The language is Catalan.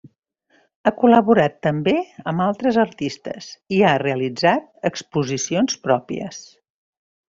Ha col·laborat també amb altres artistes i ha realitzat exposicions pròpies.